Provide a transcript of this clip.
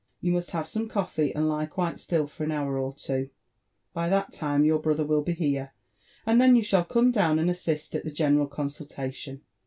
You must have some coffee, and lie quite still for an hour or two ; by that time your bro ther will be here, and then you shall come down and assist at the general consultation